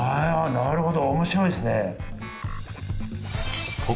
なるほど。